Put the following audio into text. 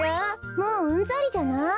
もううんざりじゃない？